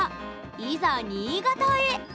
いざ新潟へ！